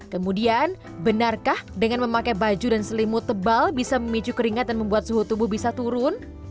kemudian benarkah dengan memakai baju dan selimut tebal bisa memicu keringat dan membuat suhu tubuh bisa turun